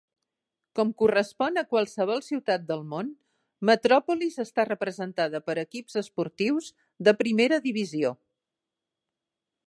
Com correspon a qualsevol ciutat del món, Metropolis està representada per equips esportius de primera divisió.